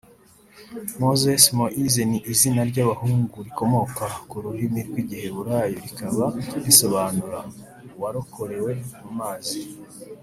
Moses/Moïse ni izina ry’abahungu rikomoka ku rurimi rw’Igiheburayi rikaba risobanura “Uwarokorewe mu mazi